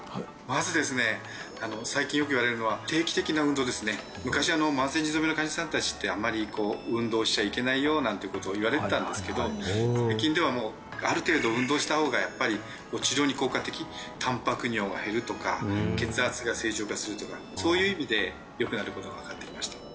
まずですね最近よく言われるのは昔慢性腎臓病の患者さん達ってあんまりこう運動しちゃいけないよなんてことを言われてたんですけど最近ではもうある程度運動した方がやっぱり治療に効果的たんぱく尿が減るとか血圧が正常化するとかそういう意味で良くなることが分かってきました